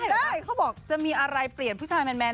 ได้เขาบอกจะมีอะไรเปลี่ยนผู้ชายแมน